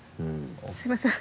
すみません。